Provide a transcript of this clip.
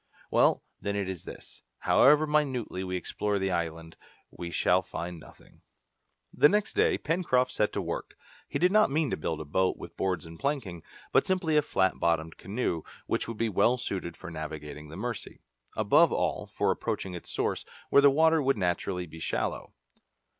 "Well, then, it is this: however minutely we explore the island, we shall find nothing." The next day Pencroft set to work. He did not mean to build a boat with boards and planking, but simply a flat bottomed canoe, which would be well suited for navigating the Mercy above all, for approaching its source, where the water would naturally be shallow.